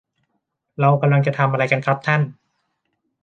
เรากำลังจะทำอะไรกันครับท่าน